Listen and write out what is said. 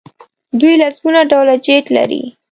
دوی لسګونه ډوله جیټ لري.